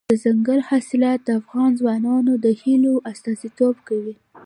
دځنګل حاصلات د افغان ځوانانو د هیلو استازیتوب کوي.